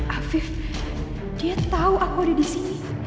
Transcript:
afif dia tahu aku ada di sini